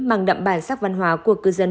mang đậm bản sắc văn hóa của cư dân